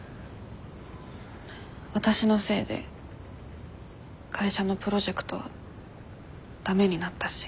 わたしのせいで会社のプロジェクトはダメになったし。